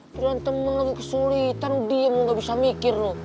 giliran temen lu kesulitan lu diem lu gak bisa mikir lu